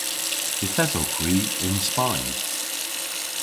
Yth esowgh hwi yn Spayn.